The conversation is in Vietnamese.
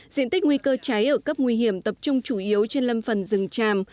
diện tích nguy cơ cháy ở cấp nguy hiểm tập trung chủ yếu trên lâm phần rừng tràm